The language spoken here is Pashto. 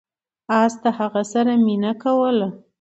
اس د هغه سره مینه کوله.